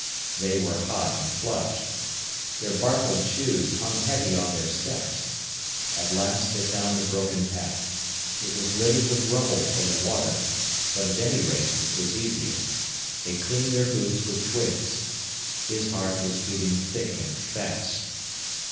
They were hot and flushed. Their barkled shoes hung heavy on their steps. At last they found the broken path. It was littered with rubble from the water, but at any rate it was easier. They cleaned their boots with twigs. His heart was beating thick and fast.